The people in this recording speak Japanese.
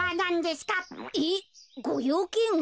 えっごようけん？